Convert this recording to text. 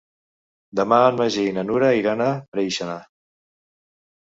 Demà en Magí i na Nura iran a Preixana.